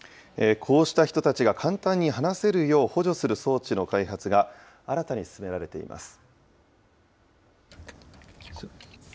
こうした人たちが簡単に話せるよう補助する装置の開発が、新たに進められています。